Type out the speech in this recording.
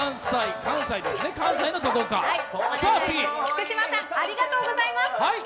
福島さん、ありがとうございます。